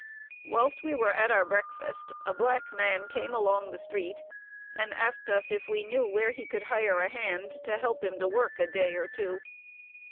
Whilst we were at our breakfast, a black man came along the street, and asked us if we knew where he could hire a hand, to help him to work a day or two.